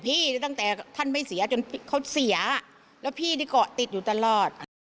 ตั้งแต่ท่านไม่เสียจนเขาเสียแล้วพี่นี่เกาะติดอยู่ตลอด